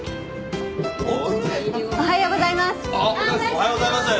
おはようございます。